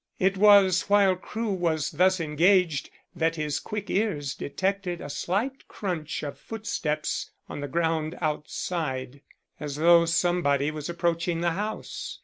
It was while Crewe was thus engaged that his quick ears detected a slight crunch of footsteps on the ground outside, as though somebody was approaching the house.